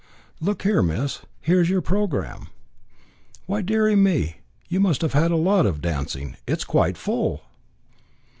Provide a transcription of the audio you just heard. "Look here, miss; here is your programme! Why, deary me! you must have had a lot of dancing. It is quite full."